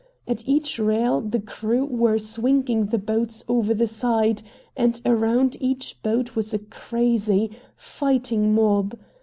At each rail the crew were swinging the boats over the side, and around each boat was a crazy, fighting mob.